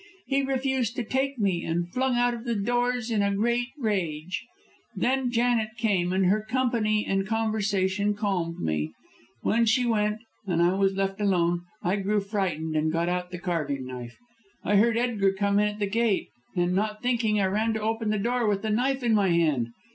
He refused to take me and flung out of doors in a great rage. Then Janet came, and her company and conversation calmed me. When she went, and I was left alone, I grew frightened, and got out the carving knife. I heard Edgar come in at the gate and, not thinking, I ran to open the door with the knife in my hand.